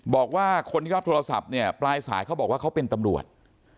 บอกว่าคนที่รับโทรศัพท์เนี่ยปลายสายเขาบอกว่าเขาเป็นตำรวจ